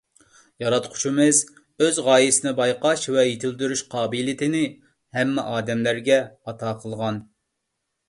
ياراتقۇچىمىز ئۆز غايىسىنى بايقاش ۋە يېتىلدۈرۈش قابىلىيىتىنى ھەممە ئادەملەرگە ئاتا قىلغان.